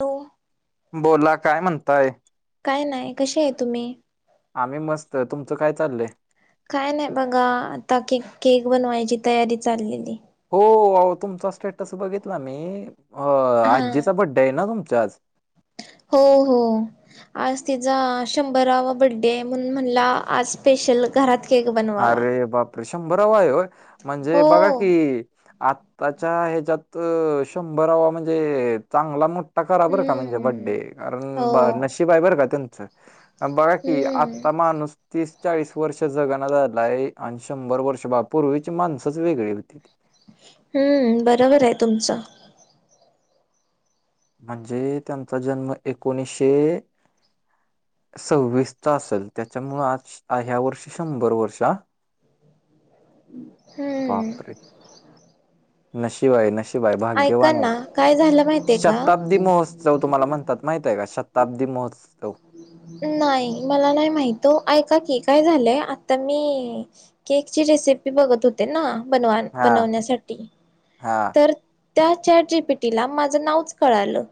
हो बोला काय म्हणताय? काय नाही कशी आहे तुम्ही? आम्ही मस्त तुमचं काय चाललंय? काय नाही बघा आता केक केक बनवायची तयारी चाललेली. हो तुमचा स्टेटस बघितला मी अ हा आजीचा बड्डे आहे ना तुमच्याज? हो हो आज तिचा शंभरावा बड्डे आहे म्हणून म्हणला आज स्पेशल घरात केक बनवावा अरे बापरे शंभराव आहे हो म्हणजे बघा की आ त्याच्या ह्याच्यात शंभरावा म्हणजे चांगला मोठा त करा बरं का म्हणजे हम्म बड्डे हो कारण नशीब आहे बरं का त्यांचं. बघा की हम्म आता माणूस तीस चाळीस वर्ष जगण झालाय आणि शंभर वर्ष पूर्वीची माणसच वेगळी होती. हम्म बरोबर आहे तुमचं. म्हणजे त्यांचा जन्म एकोणीसशे सव्वीस असेल त्याच्यामुं आज ह्या वर्षी शंभर वर्षा हम्म बापरे नशिब आहे नशीब शिवाय ऐका भाग्यवान आहेत ना काय झालं माहितीय का शताब्दी महोत्स चव तुम्हाला म्हणतात माहितय का शताब्दी महोत्सव नाही मला नाही माहितो ऐका की काय झालंय आता मी केकची रेसिपी बघत होते ना. बनवा, हा बनवण्यासाठी. हा. तर त्या, चॅट जीपीटीला माझं नावच कळालं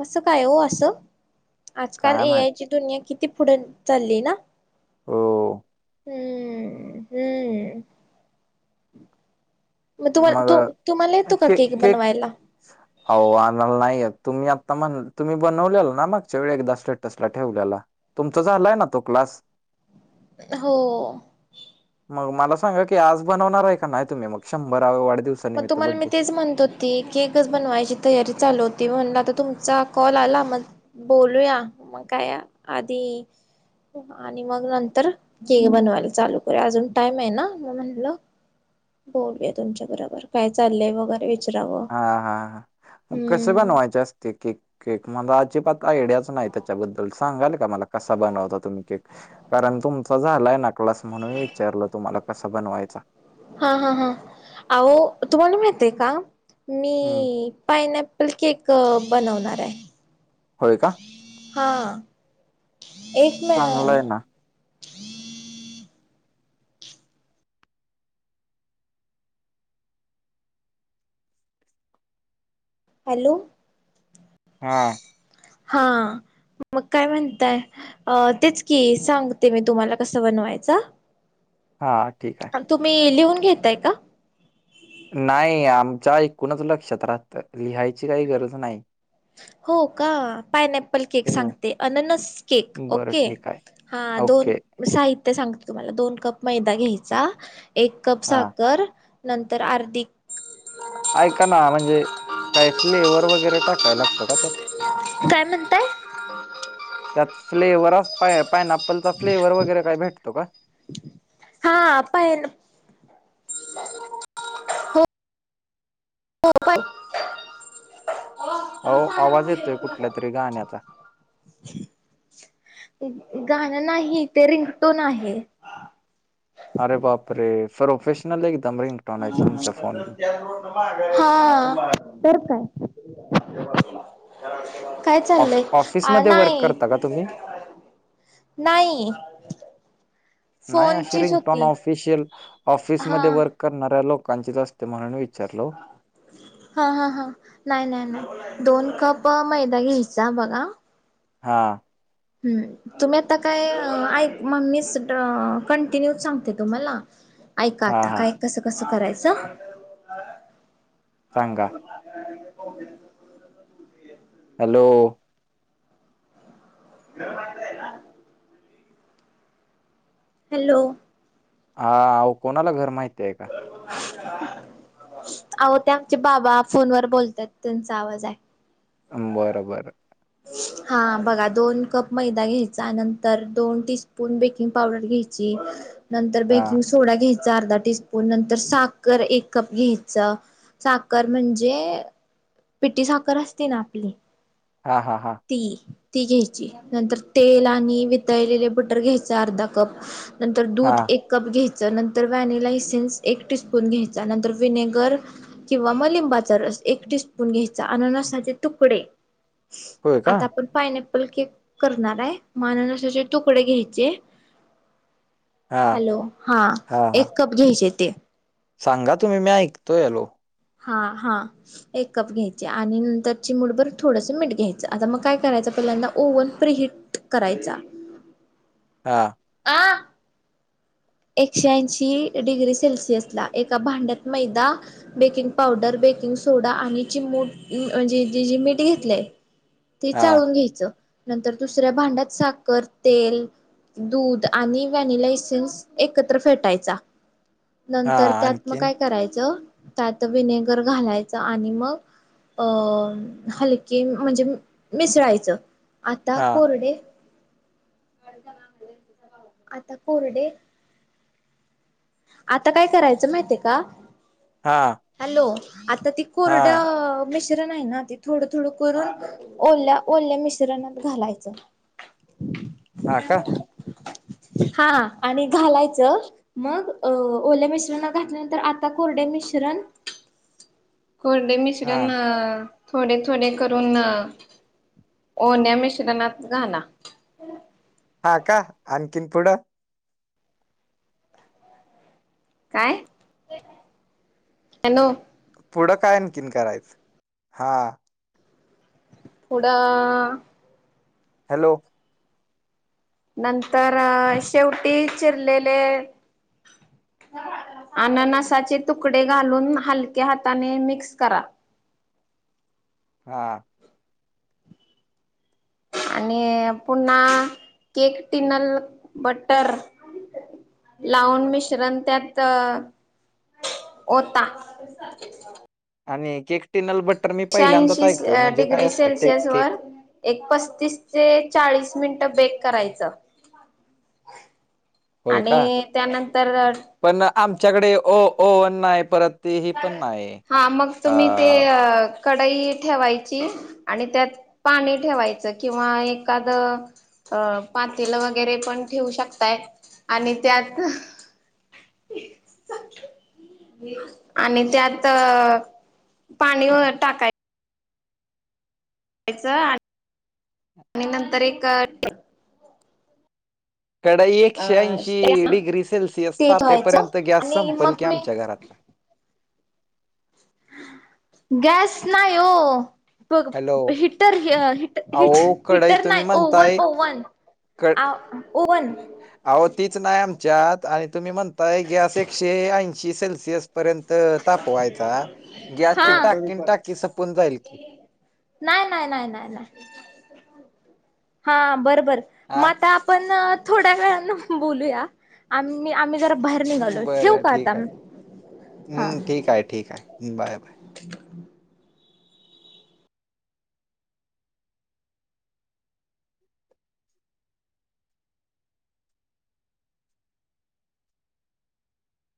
कसं, काय हो असं? आजकाल काय ए माहित आय ची दुनिया किती पुढे चालली ना! हो. हम्म, हम्म. मग तुम्हाला, तू तुम्हाला येतो का, केक बनवायला? अहो आणला नाही येत. तुम्ही आता म्हण, तुम्ही बनवलेला ना? मागच्या वेळी एकदा स्टेटसला ठेवलेला. तुमचा झालंय ना तो क्लास? हो. मग मला सांगा की, आज बनवणार आहे का नाही तुम्ही मग? शंभराव्या वाढदिवस मग तुम्हाला मी तेच म्हणतो त केकच बनवायची तयारी चालू होती. म्हनलं, आता तुमचा कॉल आला मग बोलूया, मग काय आधी आणि मग नंतर केक बनवायला चालू करू. अजून टाइम आहे, ना म म्हनलं बोलूया तुमच्या बरोबर, काय चाललंय वगैरे. विचारावं हा, हा, ह. मग कसं हम्म बनवायचं अस ते केक. केक मला अजिबात आयडियाच नाही त्याच्याबद्दल. सांगाल का मला कसा बनवता तुम्ही केक? कारण तुमचा झालाय न क्लास, म्हणून विचारलं तुम्हाला, कसा बनवायचा? हा, हा, हा. अहो तुम्हाला माहतेय का? मी हम्म पाइनऍप आपल केक बनवणार आहे. होय का? [unintelligible] हा एक चांगलं आहे म ना हॅलो. हा. हा मग काय म्हणताय? अ तेच की, सांगते मी तुम्हाला कसं बनवायचा? हा, ठीकाय. तुम्ही लिहून घेताय का? नाही आमच्या ऐकूूनच लक्षात राहतं. लिहायची काही गरज नाही. हो का? पायनॲप ल केक होय. सांगते. अननस केक बरं ओके. ठीक आहे हा ओके दोन साहित्य सांगत तुम्हाला. दोन कप मैदा घ्यायचा. एक कप हा साखर नंतर आर्दि ऐका ना, म्हणजे काय फ्लेवर वगैरे टाकायला लागतं का त्यात? [inaudible] काय म्हणताय? त्यात फ्लेवर अस, पाइनप्पलचा फ्लेवर वगैरे काय भेटतो का? हा, पाईनॲप हो [unintelligible] अहो, आवाज येतोय कुठल्या तरी गाण्याचा. गाणं नाही, ते रिंगटोन आहे. अरे बाप रे! प्रोपफेशनल एकदम रिंगटोनयत तुमच्या फोन [unintelligible] हा, तर काय? काय ऑफ चाललंय? [unintelligible] ऑफिसमध्ये वर्क नाही करता का तुम्ही [unintelligible] नाही. नाही अशी फोनचीच रिंगटोन होती ऑफिशियल, हा ऑफिसमध्ये वर्क करणाऱ्या लोकांचीच असते, म्हणून वि चारलो. हां, हां, हां. नाही, नाही, नाही. दोन कप मैदा घ्यायचा, बघा. हा. हम्म. तुम्ही आता काय, आ ऐक मग मी स ड कंटिन्यू सांगते तुम्हाला. ऐका हा आता हा काय कसं कसं करायचं सांगा हॅलो [inaudible] हॅलो हा कोणाला घर माहती आहे का अहो ते आमचे बाबा फोन व बोलतात त्यांचा आवाज आहे बर बर [inaudible] [inaudible] हा बघा दोन कप मैदा घ्यायचा नंतर दोन टी स्पून बेकिंग पावडर घ्यायची नंतर हा बेकिंग सोडा घ्यायचा अर्धा टीस्पून नंतर साखर एक कप घ्यायच साखर म्हणजे पिटी साखर असते ना आपली हा हा हा ती ती घ्यायची नंतर तेल आणि वितळलेले बटर घ्यायच अर्धा कप नंतर हा दूध एक कप घ्यायचं नंतर व्हॅनेिला इसिन्स एक टीस्पून घ्यायचा नंतर विनेगर किंवा मलिंबाचा रस एक टीस्पून घ्यायचा अन न सा तुकडे होय का आता आपण पायन प्पल केक करणार आहे माणूनाचे तुकडे घ्यायचे हा हॅलो हा एक कप घ्यायचे ते सांगा तुम्ही मी ऐकतो यालो हा हा एक कप घ्यायची आणि नंतर चिमुडभर थोडस मीठ घ्यायचं आता मग काय करायचं पहिल्यांदा ओव्हन प्री हिट करायचा हा अ एकशे ऐंशी डिग्री सेल्सिअस ला एका भांड्यात मैदा बेकिंग पावडर बेकिंग सोडा आणि चिमूट म्हणजे मीठ घेतलंय ते हा चाळून घ्यायचं नंतर दुसऱ्या भांड्यात साखर तेल दूध आणि व्हॅनिला इसन्स एकत्र फेटायचा हा नंतर त्यात मग आणखीन काय करायचं त्यात विनेगर घालायचं आणि मग अ हलके म्हणजे मिसळायचं आता हा कोरडे आता कोरडे आता काय करायचं माहिितय का हा हॅलो आता ती कोरड हा म मिश्रण आहे ना ते थोडं थोडं करून ओल्या ओल्या मिश्रणात घालायचं [inaudible] [inaudible] हा का हा आणि घालायचं मग ओल्या मिश्रण घातल्यानंतर आता कोरडे मिश्रण कोरडे हा मिश्रण थोडे थोडे करून ओहन या मिश्रणात घाला हा का आणखीन पुढं काय हॅलो पुढं काय आणखीन करायचं हा पुढं हॅलो नंतर शेवटी चिरलेले अननसाचे तुकडे घालून हलक्या हाताने मिक्स करा [inaudible] हा आणि पुन्हा केक टिनल बटर [inaudible] [inaudible] लावून मिश्रण त्यात वता [inaudible] आणि केक टिनल बट्टर मी पहिल्यांदाच ऐंशी ऐकतोय म्हणजे काय डिग्री असतं टे सेल्सिअस केक वर [inaudible] एक पस्तीस ते चाळीस मिनिट बेक करायचं [inaudible] [inaudible] होय का आणि त्यानंतर पण आमच्याकडे ओ ओणनाय परत ते ह पण नाही [inaudible] अ कडाई ठेवायची आणि त्यात पाणी ठेवायचं किंवा एखादं [inaudible] अ पातेील वगैरे पण ठेवू शकताय आणि त्यात [inaudible] [inaudible] आणि त्यात [inaudible] पाणी टाकाय च [inaudible] आणि आणि नंतर एक कडाई एकशे ऐंशी त्यास ना डिग्री सेल्सिअस ते ठेवायचं तापेपर्यंत गॅस आणि संपल की मग मी आमच्या घरातला [inaudible] गॅस नाही हो [inaudible] ब हॅलो [inaudible] हिटर अहो कढई हिटर तुम्ही नाही ओव्हन म्हणताय ओव्हन क [inaudible] ओवन अहो तीच नाही आमच्यात आणि तुम्ही म्हणताय गॅस एकशे ऐंशी सेल्सिअस पर्यंत [inaudible] तर तापवायचा हा गॅसची टाकीन टाकी सपून जाईल की [inaudible] नाही नाही नाही नाही नाही [inaudible] हा बर बर मग हा आता आपण थोड्या वेळान बोलूया [inaudible] आम्ही आम्ही जरा बाहेर निघालो ठेवऊ बरं का आता ठीक आहे हा हम्म [inaudible] ठीक आहे ठीक आहे [inaudible] बाय बाय [inaudible]